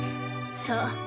そう。